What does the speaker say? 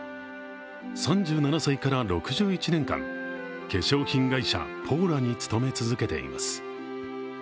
３７歳から６１年間化粧品会社、ポーラに勤め続けています。